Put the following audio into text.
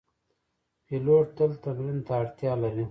پیلوټ تل تمرین ته اړتیا لري.